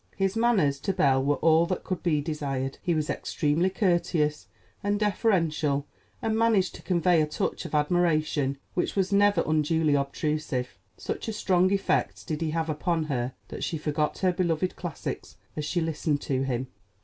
His manners to Belle were all that could be desired. He was extremely courteous and deferential and managed to convey a touch of admiration which was never unduly obtrusive. Such a strong effect did he have upon her that she forgot her beloved classics as she listened to him.